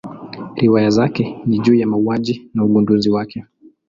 Riwaya zake ni juu ya mauaji na ugunduzi wake.